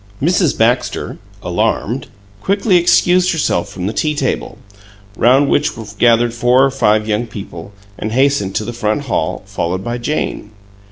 Mrs. Baxter, alarmed, quickly excused herself from the tea table, round which were gathered four or five young people, and hastened to the front hall, followed by Jane.